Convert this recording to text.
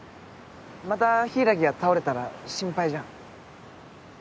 また柊が倒れたら心配じゃん。